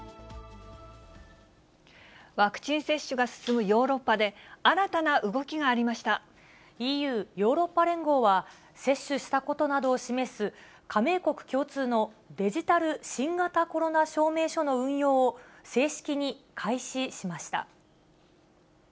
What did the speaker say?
ワクチン接種が進むヨーロッＥＵ・ヨーロッパ連合は、接種したことなどを示す、加盟国共通のデジタル新型コロナ証明書の運用を正式に開始しました。